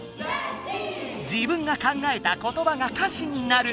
自分が考えた言葉が歌詞になる。